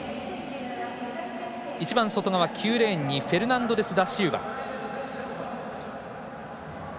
一番外側９レーンにフェルナンデスダシウバ。